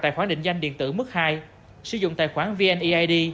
tài khoản định danh điện tử mức hai sử dụng tài khoản vneid